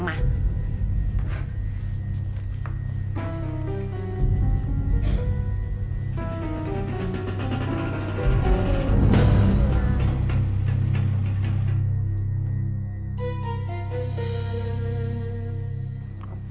gantar kalian semua